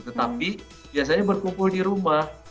tetapi biasanya berkumpul di rumah